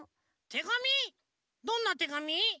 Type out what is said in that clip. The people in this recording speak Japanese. どんなてがみ？